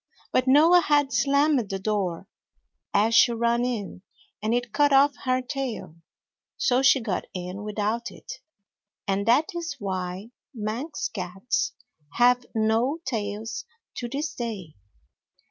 But Noah had slammed the door as she ran in and it cut off her tail, so she got in without it, and that is why Manx cats have no tails to this day.